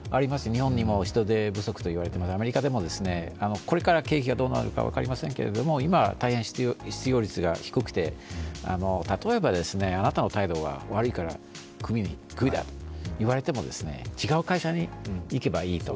日本も人手不足と言われています、アメリカでも、これから景気がどうなるか分かりませんけれども、今は大変失業率が低くて例えば、あなたの態度は悪いから、クビだと言われても違う会社に行けばいいと。